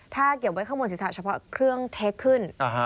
ถ้าเกี่ยวไว้ข้างบนศิษย์ศาสตร์เฉพาะเครื่องเทคขึ้น